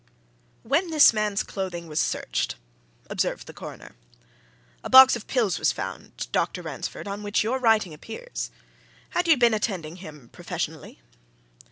"When this man's clothing was searched," observed the Coroner, "a box of pills was found, Dr. Ransford, on which your writing appears. Had you been attending him professionally?"